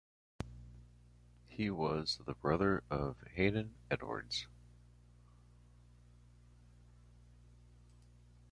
He was the brother of Haden Edwards.